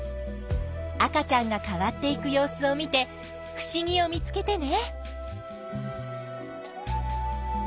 赤ちゃんが変わっていく様子を見てふしぎを見つけてね。